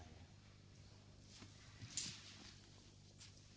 mari ibu ibu